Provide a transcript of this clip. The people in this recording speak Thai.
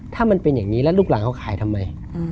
ถ้ามันเป็นอย่างนี้แล้วลูกหลานเขาขายทำไม